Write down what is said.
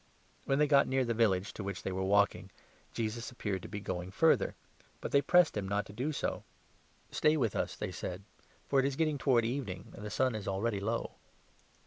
When they got near the village to which 28 they were walking, Jesus appeared to be going further ; but 29 they pressed him not to do so. " Stay with us," they said, " for it is getting towards evening, and the sun is already low."